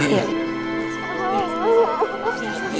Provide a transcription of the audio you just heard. diri diri diri